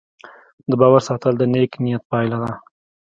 د باور ساتل د نیک نیت پایله ده.